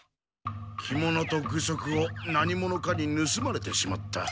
着物と具足を何者かにぬすまれてしまった。